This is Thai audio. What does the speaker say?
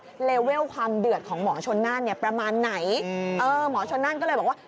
เลเวลความเดือดของหมอชนน่านเนี่ยประมาณไหนเออหมอชนนั่นก็เลยบอกว่า